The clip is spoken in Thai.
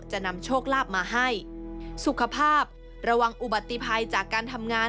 จะนำโชคลาภมาให้สุขภาพระวังอุบัติภัยจากการทำงาน